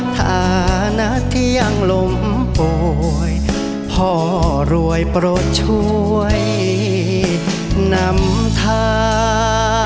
ฐานะที่ยังล้มป่วยพ่อรวยโปรดช่วยนำทา